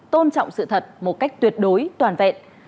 tôn trọng sự thật một cách tuyệt đối toàn vẹn